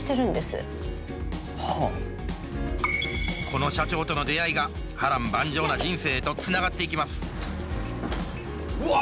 この社長との出会いが波乱万丈な人生へとつながっていきますうわ！